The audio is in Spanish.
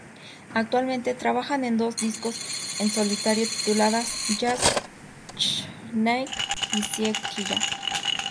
Actualmente trabaja en dos discos en solitario titulados Jazz Chronicle y Cien Killa.